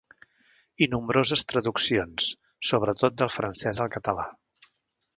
I nombroses traduccions, sobretot del francès al català.